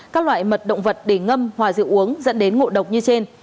các loại mật động vật để ngâm hòa rượu uống dẫn đến ngộ độc như trên